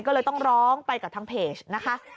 ก็เลยต้องร้องไปกับทางเพจนะคะ